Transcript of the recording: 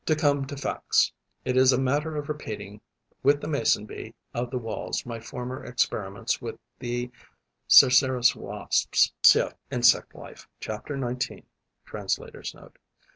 To come to facts: it is a matter of repeating with the Mason bee of the Walls my former experiments with the Cerceris wasps (Cf. "Insect Life": chapter 19. Translator's Note.)